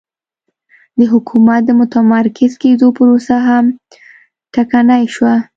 د حکومت د متمرکز کېدو پروسه هم ټکنۍ شوه